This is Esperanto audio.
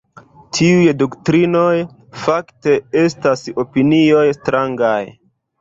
Tiuj doktrinoj, fakte, estas opinioj strangaj”.